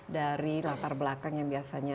dari latar belakang yang biasanya